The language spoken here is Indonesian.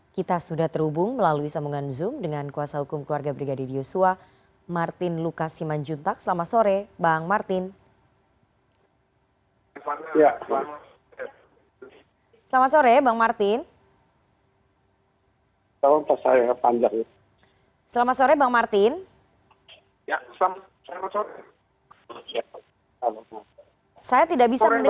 kita sudah terhubung melalui sambungan zoom dengan kuasa hukum keluarga brigadir yusua martin lukasiman juntak selamat sore bang martin